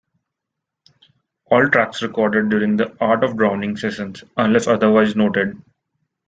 All tracks recorded during the "Art of Drowning" sessions unless otherwise noted.